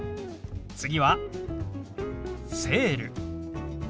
次は「セール」。